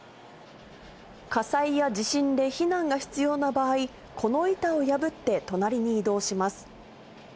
火災や地震で避難が必要な場合、この板を破って隣に移動します。